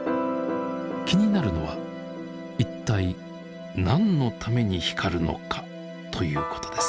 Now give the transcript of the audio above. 気になるのはいったい何のために光るのかということです。